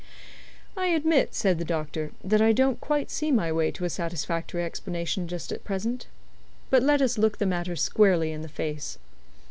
"I admit," said the doctor, "that I don't quite see my way to a satisfactory explanation just at present. But let us look the matter squarely in the face.